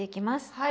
はい。